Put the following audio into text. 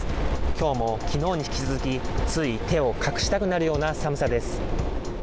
今日も昨日に引き続き、つい手を隠したくなるような寒さです。